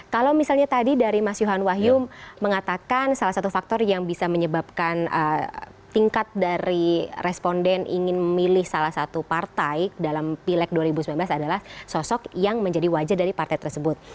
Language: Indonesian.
kalau misalnya tadi dari mas yohan wahyu mengatakan salah satu faktor yang bisa menyebabkan tingkat dari responden ingin memilih salah satu partai dalam pileg dua ribu sembilan belas adalah sosok yang menjadi wajah dari partai tersebut